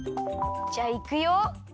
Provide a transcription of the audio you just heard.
じゃあいくよ。